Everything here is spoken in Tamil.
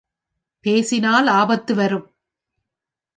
பேசினால் ஆபத்து வரும்.